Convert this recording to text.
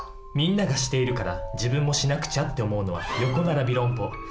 みんながしているから自分もしなくちゃって思うのは「横ならび論法」。